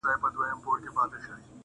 سترګي یې ډکي له فریاده په ژباړلو ارزي,